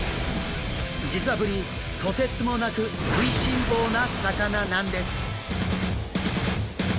実はブリとてつもなく食いしん坊な魚なんです！